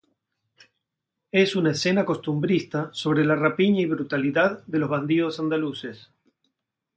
Es una escena costumbrista sobre la rapiña y brutalidad de los bandidos andaluces.